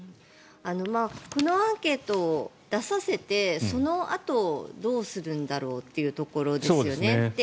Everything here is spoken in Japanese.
このアンケートを出させてそのあと、どうするんだろうというところですよね。